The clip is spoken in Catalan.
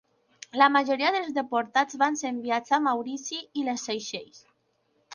La majoria dels deportats van ser enviats a Maurici i les Seychelles.